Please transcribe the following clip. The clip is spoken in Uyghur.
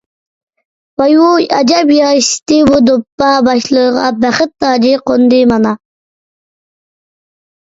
ۋاي - ۋۇي، ئەجەب ياراشتى بۇ دوپپا، باشلىرىغا بەخت تاجى قوندى مانا!